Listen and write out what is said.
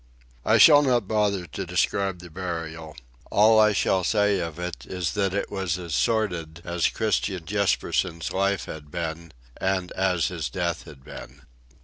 I shall not bother to describe the burial. All I shall say of it is that it was as sordid as Christian Jespersen's life had been and as his death had been.